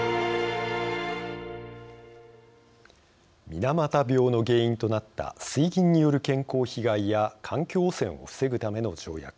水俣病の原因となった水銀による健康被害や環境汚染を防ぐための条約。